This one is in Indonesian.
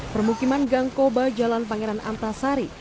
permukiman gangkoba jalan pangeran antasari